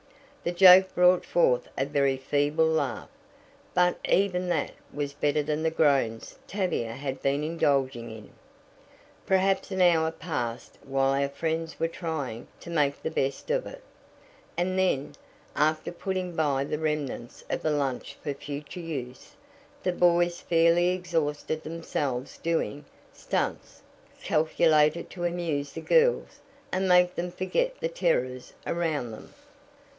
The joke brought forth a very feeble laugh, but even that was better than the groans Tavia had been indulging in. Perhaps an hour passed while our friends were trying to "make the best of it," and then, after putting by the remnants of the lunch for future use, the boys fairly exhausted themselves doing "stunts" calculated to amuse the girls and make them forget the terrors around them.